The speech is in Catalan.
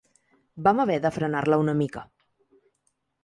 Vam haver de frenar-la una mica.